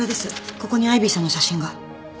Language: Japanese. ここにアイビーさんの写真が。